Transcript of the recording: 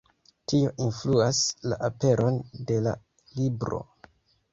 Tio influas la aperon de la libro.